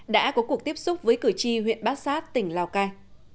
đã có cuộc tiếp xúc với cử tri huyện bát sát tỉnh lào cai